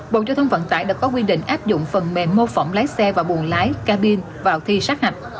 bộ giao thông vận tải đã có quy định áp dụng phần mềm mô phỏng lái xe và buồn lái cabin vào thi sát hạch